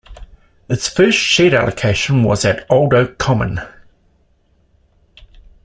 Its first shed allocation was at Old Oak Common.